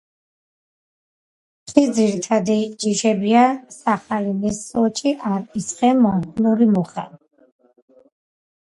ხის ძირითადი ჯიშებია სახალინის სოჭი, არყის ხე, მონღოლური მუხა.